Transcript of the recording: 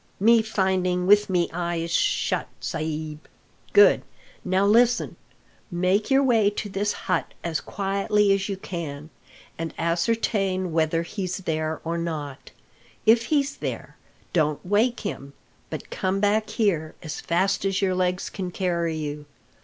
"Me finding with me eyes shut, sa'b." "Good! Now listen. Make your way to this hut as quietly as you can, and ascertain whether he's there or not. If he's there, don't wake him, but come back here as fast as your legs can carry you.